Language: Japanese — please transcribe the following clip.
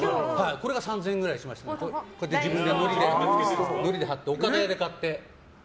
これが３０００円ぐらいしましてこうやって自分でのりで貼ってお金で買って。